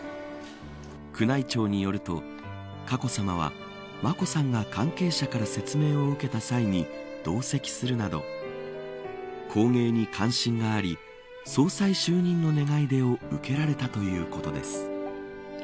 宮内庁によると佳子さまは眞子さんが関係者から説明を受けた際に同席するなど工芸に関心があり総裁就任の願い出を受けられたということです。